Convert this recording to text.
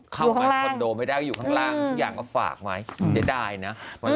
เพราะคอนโดไม่ได้อยู่ข้างล่างทุกอย่างเขาฝากไหมเดี๋ยวได้นะ